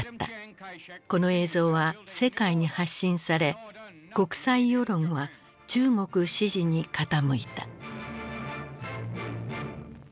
この映像は世界に発信され国際世論は中国支持に傾いた。